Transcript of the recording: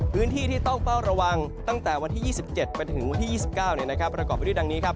พื้นที่ที่ต้องเฝ้าระวังตั้งแต่วันที่๒๗ไปถึงวันที่๒๙ประกอบไปด้วยดังนี้ครับ